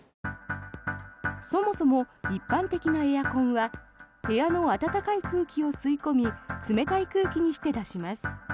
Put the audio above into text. そもそも一般的なエアコンは部屋の暖かい空気を吸い込み冷たい空気にして出します。